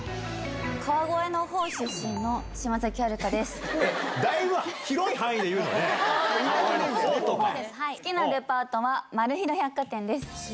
川越のほう出身の島崎遥香でえっ、だいぶ広い範囲で言う好きなデパートは、丸広百貨店です。